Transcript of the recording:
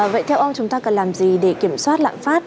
vậy theo ông chúng ta cần làm gì để kiểm soát lãm pháp